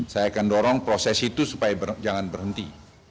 saya akan dorong proses itu supaya jangan berhenti